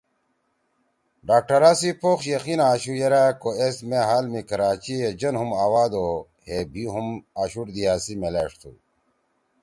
ڈاکٹرا سی پوخ یقین آشُو یِرأ کو ایس مےحال می کراچی ئے جن ہُم آواد او ہے بھی ہُم آشُوڑ دیا سی میلأݜ تُھو